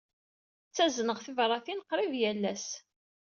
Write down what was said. Ttazneɣ tibṛatin qrib yal ass.